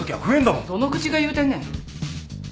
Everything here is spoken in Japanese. どの口が言うてんねん。